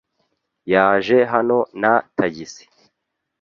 Yaje hano na tagisi.